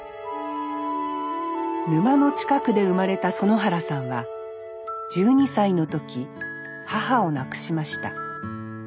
沼の近くで生まれた園原さんは１２歳の時母を亡くしました。